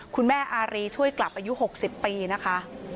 อารีช่วยกลับอายุ๖๐ปีนะคะ